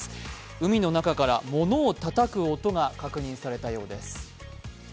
海の中から、ものをたたく音が確認されたようです。